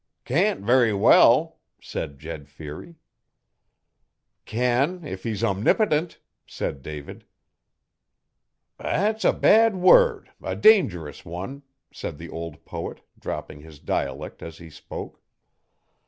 'Can't very well,' said Jed Feary. 'Can, if he's omnipotent,' said David. 'That's a bad word a dangerous one,' said the old poet, dropping his dialect as he spoke.